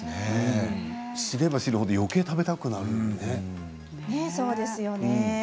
知れば知るほどよけい食べたくなるね。